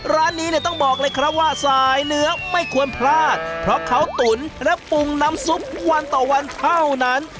ร้านนี้เนี่ยต้องบอกเลยครับว่าสายเนื้อไม่ควรพลาดเพราะเขาตุ๋นและปรุงน้ำซุปวันต่อวันเท่านั้น